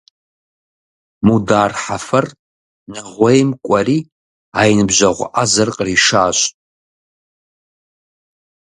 Мудар Хьэфэр Нэгъуейм кӀуэри а и ныбжьэгъу Ӏэзэр къришащ.